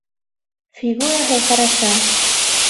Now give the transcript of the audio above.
Фигураһы хараша!